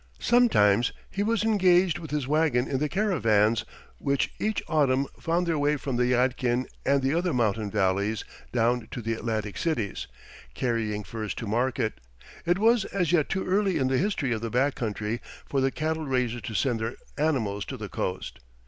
Sometimes he was engaged with his wagon in the caravans which each autumn found their way from the Yadkin and the other mountain valleys down to the Atlantic cities, carrying furs to market; it was as yet too early in the history of the back country for the cattle raisers to send their animals to the coast.